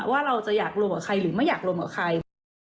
ว่าเราจะอยากรวมกับใครหรือไม่อยากลงกับใคร